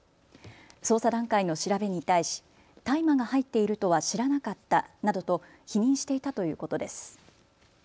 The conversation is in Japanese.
捜査段階の調べに対し大麻が入っているとは知らなかったなどと否認していたということです。